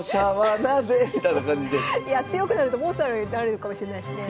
いや強くなるとモーツァルトになるのかもしれないですね。